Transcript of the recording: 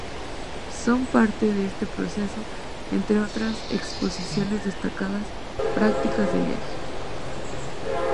Son parte de este proceso, entre otras exposiciones destacadas, “Prácticas de viaje.